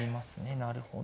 なるほど。